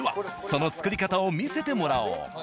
その作り方を見せてもらおう。